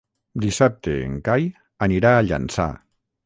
Dissabte en Cai anirà a Llançà.